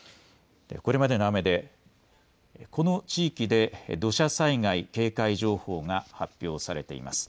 これまでの雨で、この地域で土砂災害警戒情報が発表されています。